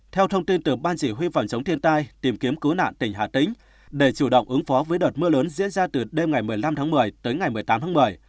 theo thông tin từ ban chỉ huy phòng chống thiên tai tìm kiếm cứu nạn tỉnh hà tĩnh để chủ động ứng phó với đợt mưa lớn diễn ra từ đêm ngày một mươi năm tháng một mươi tới ngày một mươi tám tháng một mươi